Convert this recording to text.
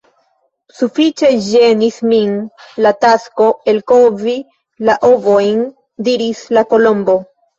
"Sufiĉe ĝenis min la tasko elkovi la ovojn," diris la Kolombo. "